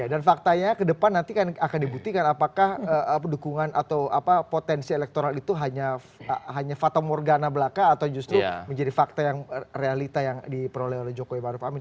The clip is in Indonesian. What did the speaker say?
dan faktanya ke depan nanti akan dibuktikan apakah dukungan atau potensi elektoral itu hanya fatah morgana belaka atau justru menjadi fakta realita yang diperoleh oleh jokowi ma'ruw amin